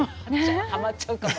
はまっちゃうかも。